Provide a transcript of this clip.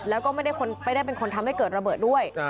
แล้วก็ไม่ได้เป็นคนทำให้เกิดระเบิดด้วย